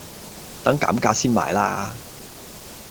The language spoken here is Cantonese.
等減價先買啦